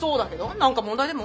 何か問題でも？